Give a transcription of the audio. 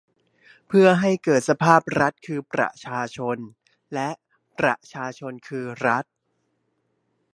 เพื่อให้เกิดสภาพรัฐคือประชาชน และ ประชาชนคือรัฐ